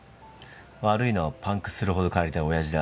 悪いのはパンクするほど借りたおやじだ。